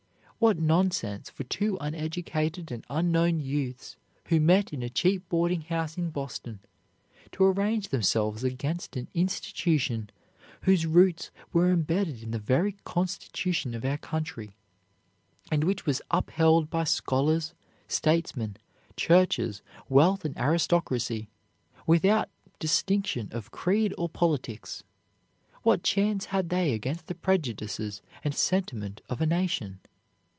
What nonsense for two uneducated and unknown youths who met in a cheap boarding house in Boston to array themselves against an institution whose roots were embedded in the very constitution of our country, and which was upheld by scholars, statesmen, churches, wealth, and aristocracy, without distinction of creed or politics! What chance had they against the prejudices and sentiment of a nation?